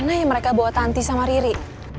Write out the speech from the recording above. kenapa ya mereka bawa tanti sama riri